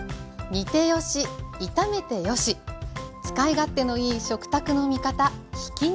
煮てよし炒めてよし使い勝手のいい食卓の味方ひき肉。